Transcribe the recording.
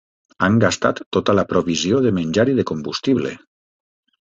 Han gastat tota la provisió de menjar i de combustible.